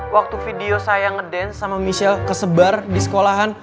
waktu video saya ngedance sama michelle kesebar di sekolahan